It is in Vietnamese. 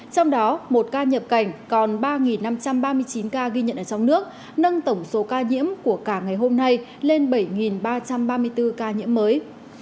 trong đó một ca nhập cảnh còn ba năm trăm ba mươi chín ca ghi nhận ở trong nước nâng tổng số ca nhiễm của cả ngày hôm nay lên bảy ba trăm ba mươi bốn ca nhiễm mới